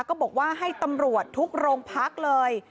ก็บอกว่าให้ตำรวจทุกโรงพักเลย